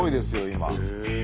今。